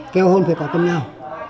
kêu hôn phải có cầm nhau